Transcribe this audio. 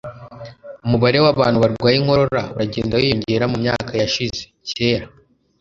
umubare w'abantu barwaye inkorora uragenda wiyongera mu myaka yashize. (cyera